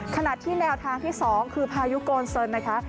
ขนาดที่แนวทางที่สองคือพายุกลเซินนะคะ